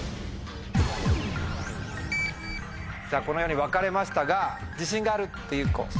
このように分かれましたが自信があるっていう子。